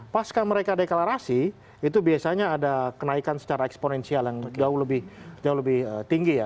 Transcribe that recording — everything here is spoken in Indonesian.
pas mereka deklarasi itu biasanya ada kenaikan secara eksponensial yang jauh lebih tinggi ya